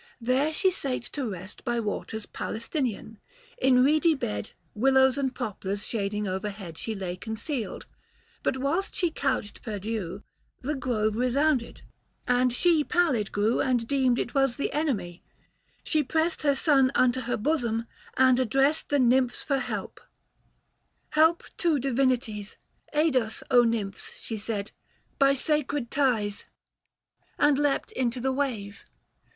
There she sate to rest 485 By waters Palaestinan ; in reedy bed Willows and poplars shading overhead, She lay concealed ; but whilst she couched perdue The grove resounded, and she pallid grew And deemed it was the enemy : she pressed 490 Her son unto her bosom, and addressed The Nymphs for help. —" Help two divinities, Aid us, Nymphs," she said, " by sacred ties ;" E 50 THE FASTI. Book II. And leapt into the wave.